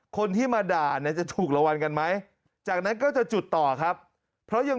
คนที่มาด่าเนี่ยจะถูกรางวัลกันไหมจากนั้นก็จะจุดต่อครับเพราะยัง